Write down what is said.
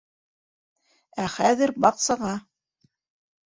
—Ә хәҙер —баҡсаға!